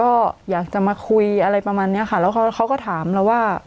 ก็อยากจะมาคุยอะไรประมาณเนี้ยค่ะแล้วเขาก็ถามเราว่า